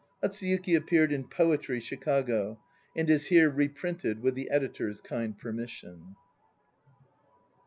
Hatsuyuki appeared in "Poetry," Chicago, and is here reprinted with the editor's kind permission.